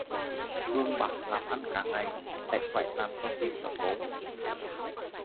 Bương bả làm ăn cả ngày, chạy vạy làm cho kịp kẻo tối